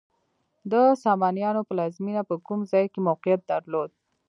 د سامانیانو پلازمینه په کوم ځای کې موقعیت درلود؟